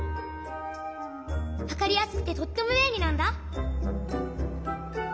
わかりやすくてとってもべんりなんだ。